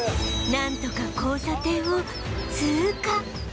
なんとか交差点を通過